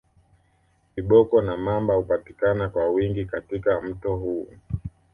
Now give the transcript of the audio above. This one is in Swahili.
Viboko na mamba hupatikana kwa wingi katika mto huu